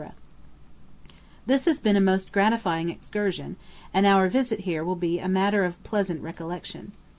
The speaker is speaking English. This has been a most gratifying excursion, and our visit here will be a matter of pleasant recollection.